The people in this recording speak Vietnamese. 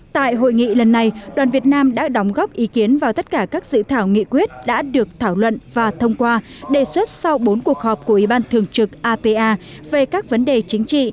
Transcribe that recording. tại hội nghị lần này đoàn việt nam đã đóng góp ý kiến vào tất cả các sự thảo nghị quyết đã được thảo luận và thông qua đề xuất sau bốn cuộc họp của ủy ban thường trực apa về các vấn đề chính trị